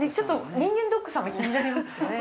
人間ドック様気になりますね。